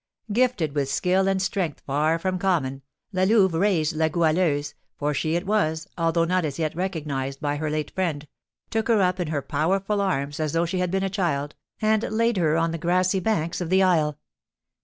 Gifted with skill and strength far from common, La Louve raised La Goualeuse (for she it was, although not as yet recognised by her late friend), took her up in her powerful arms as though she had been a child, and laid her on the grassy banks of the isle.